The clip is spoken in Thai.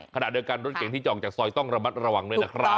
ขณะเดียวกันรถเก่งที่จะออกจากซอยต้องระมัดระวังด้วยนะครับ